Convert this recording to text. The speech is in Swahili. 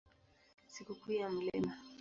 Sikukuu ya Mt.